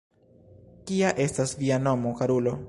Kia estas via nomo, karulo?